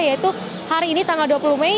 yaitu hari ini tanggal dua puluh mei